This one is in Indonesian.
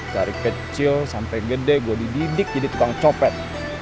dari kecil sampai gede gue dididik jadi tukang copet